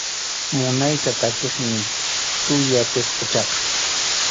Munaycha takiqmi tuya pisquchaqa.